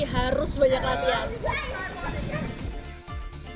jadi harus banyak latihan